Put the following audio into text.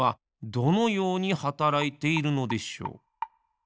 どのようにはたらいているのでしょう？